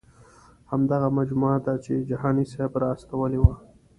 همدغه مجموعه ده چې جهاني صاحب را استولې وه.